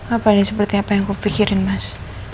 apa nih seperti apa yang kupikirin mas